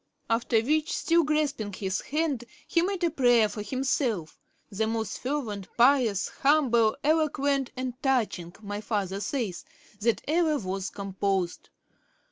After which, still grasping his hand, he made a prayer for himself, the most fervent, pious, humble, eloquent, and touching, my father says, that ever was composed.